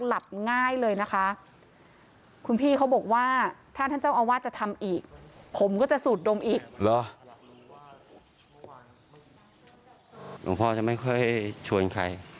หลวงพ่อจะไม่ค่อยชวนใคร